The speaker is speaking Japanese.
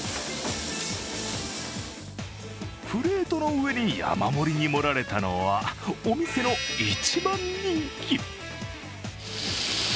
プレートの上に山盛りに盛られたのはお店の一番人気。